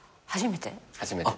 初めて。